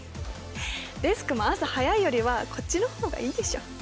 デスクも朝早いよりはこっちの方がいいでしょ。